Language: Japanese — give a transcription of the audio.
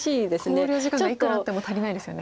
考慮時間がいくらあっても足りないですよね。